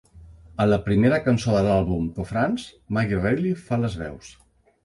A la primera cançó de l'àlbum, "To France", Maggie Reilly fa les veus.